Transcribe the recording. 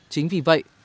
chính vì vậy